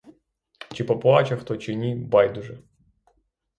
Чи поплаче хто, чи ні — байдуже.